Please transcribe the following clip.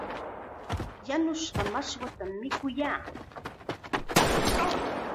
Yanushqa mashwatam mikuyaa.